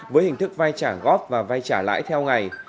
với hình thức vay trả góp và vay trả lãi theo ngày